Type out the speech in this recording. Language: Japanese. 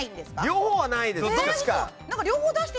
両方はないです。